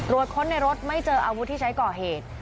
ค้นในรถไม่เจออาวุธที่ใช้ก่อเหตุ